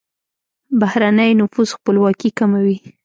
بهرنی نفوذ خپلواکي کموي.